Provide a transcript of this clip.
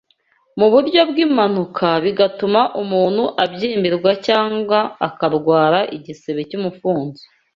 mu buryo bw’impanuka, bigatuma umuntu abyimbirwa cyangwa akarwara igisebe cy’umufunzo